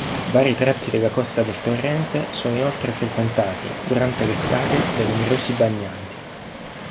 Vari tratti della costa del torrente sono inoltre frequentati, durante l'estate, da numerosi bagnanti.